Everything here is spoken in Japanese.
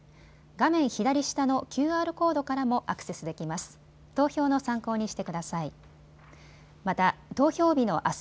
画面左下のＱＲコードからもアクセスできます。